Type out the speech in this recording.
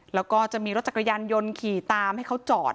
แล้วก็จะมีรถจักรยานยนต์ขี่ตามให้เขาจอด